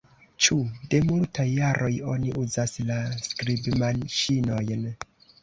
Ĉu de multaj jaroj oni uzas la skribmaŝinojn?